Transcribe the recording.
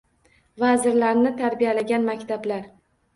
Vazirlarni tarbiyalagan maktablar